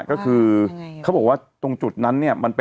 ก็คือเขาบอกว่าตรงจุดนั้นเนี่ย